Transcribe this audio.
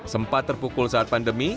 sempat terpukul saat pandemi